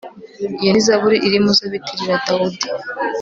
iyo ni zaburi iri mu zo bitirira dawudi